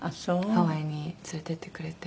ハワイに連れていってくれて。